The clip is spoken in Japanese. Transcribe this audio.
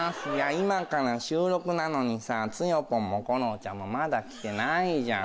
今から収録なのにさつよぽんも吾郎ちゃんもまだ来てないじゃん。